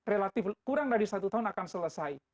relatif kurang dari satu tahun akan selesai